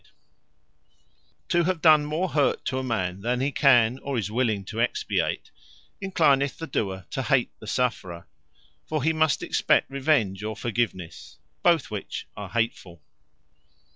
And From Conscience Of Deserving To Be Hated To have done more hurt to a man, than he can, or is willing to expiate, enclineth the doer to hate the sufferer. For he must expect revenge, or forgivenesse; both which are hatefull.